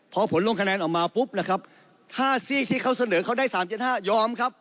พอผลลงคะแนนออกมาปุ๊บนะครับ๕ซีกที่เขาเสนอเขาได้๓๗๕ยอมครับ